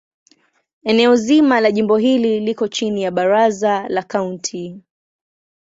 Eneo zima la jimbo hili liko chini ya Baraza la Kaunti.